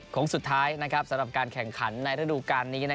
สุดท้ายสำหรับการแข่งขันในฤดูการนี้